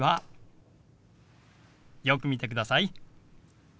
よく見てください。